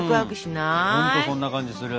ほんとそんな感じする。